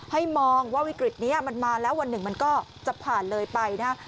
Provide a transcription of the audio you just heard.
มองว่าวิกฤตนี้มันมาแล้ววันหนึ่งมันก็จะผ่านเลยไปนะฮะ